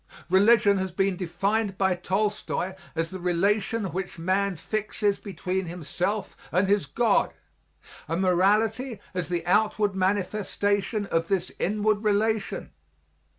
Religion has been defined by Tolstoy as the relation which man fixes between himself and his God, and morality as the outward manifestation of this inward relation.